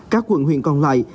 các quận huyện còn lại